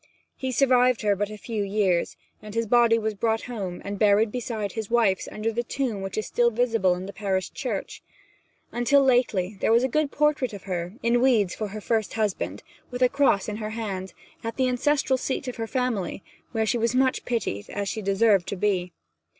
He survived her but a few years, and his body was brought home and buried beside his wife's under the tomb which is still visible in the parish church. Until lately there was a good portrait of her, in weeds for her first husband, with a cross in her hand, at the ancestral seat of her family, where she was much pitied, as she deserved to be.